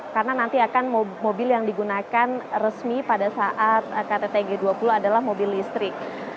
karena nanti akan mobil yang digunakan resmi pada saat kttg dua puluh adalah mobil listrik